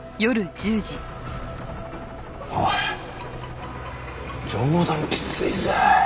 おい冗談きついぜ。